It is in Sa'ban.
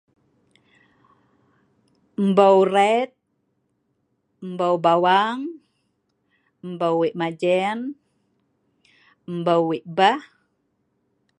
Mbeu ret, mbeu bawang, mbeu wei' majen, mbeu wei' beh